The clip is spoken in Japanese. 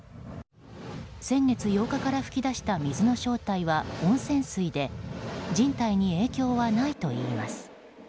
先月８日から噴き出した水の正体は温泉水で人体に影響はないといいます。